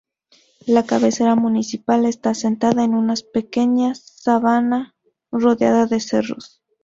La cabecera municipal está asentada en una pequeña sabana rodeada de cerros.